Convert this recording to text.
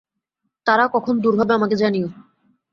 তারা কখন দূর হবে আমাকে জানিও।